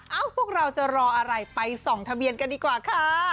พวกเราจะรออะไรไปส่องทะเบียนกันดีกว่าค่ะ